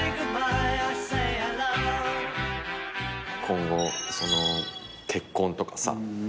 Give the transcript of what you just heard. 今後結婚とかさ